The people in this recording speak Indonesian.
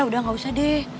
udah gak usah deh